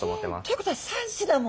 ということは３品も。